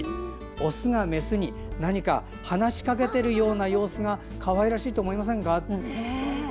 オスがメスに何か話しかけているような様子がかわいらしいと思いませんか？と。